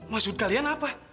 maksud kalian apa